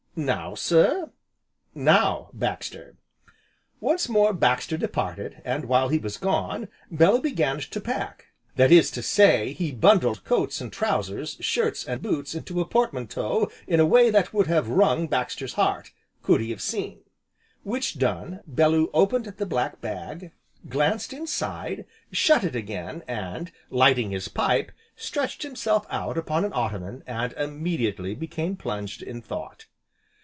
"Now, sir?" "Now, Baxter!" Once more Baxter departed, and, while he was gone, Bellew began to pack, that is to say, he bundled coats and trousers, shirts and boots into a portmanteau in a way that would have wrung Baxter's heart, could he have seen. Which done, Bellew opened the black bag, glanced inside, shut it again, and, lighting his pipe, stretched himself out upon an ottoman, and immediately became plunged in thought.